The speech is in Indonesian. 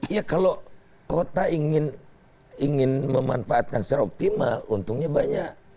ya kalau kota ingin memanfaatkan secara optimal untungnya banyak